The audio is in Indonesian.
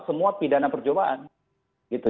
semua pidana percobaan gitu